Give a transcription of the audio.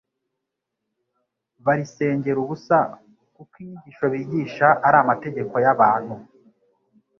Barisengera ubusa kuko inyigisho bigisha ari amategeko y'abantu."